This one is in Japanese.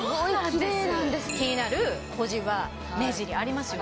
気になる小じわ目尻ありますよね。